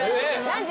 何時？